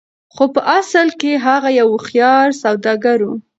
خو په اصل کې هغه يو هوښيار سوداګر و.